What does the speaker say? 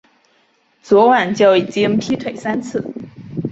昨晚就已经劈腿三次